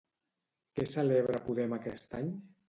Què celebra Podem aquest any?